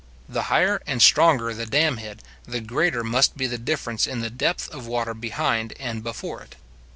The higher and stronger the dam head, the greater must be the difference in the depth of water behind and before it.